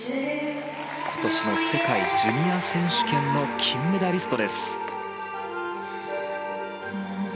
今年の世界ジュニア選手権の金メダリストです。